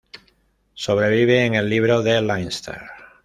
Sobrevive en el Libro de Leinster.